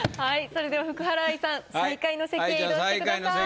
それでは福原愛さん最下位の席へ移動してください。